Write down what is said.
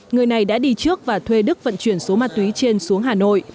người này đã đi trước và thuê đức vận chuyển số ma túy trên xuống hà nội